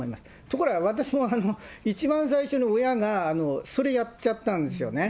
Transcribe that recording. ところが私も、一番最初に親が、それやっちゃったんですよね。